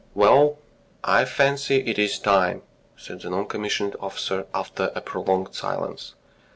"Well ... I fancy it is time," said the non commissioned officer, after a prolonged silence.